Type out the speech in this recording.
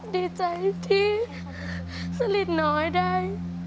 ดีใจที่สลิดน้อยได้